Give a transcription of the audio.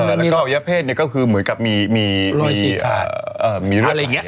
แล้วก็อวัยเภทก็คือเหมือนกับมีมีรวดไหล